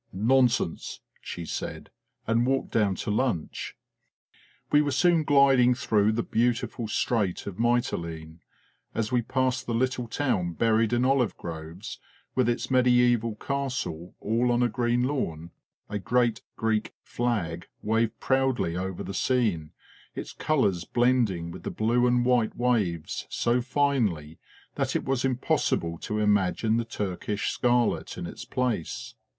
"Nonsense!" she said, and walked down to lunch. We were soon gliding through the beautiful Strait of Mytilene. As we passed the little town buried in olive groves, with its mediaeval castle all on a green lawn, a great Greek flag waved proudly over the scene, its colours blending with the blue and white waves so finely that it was impossible to imagine the Turkish scarlet in its place.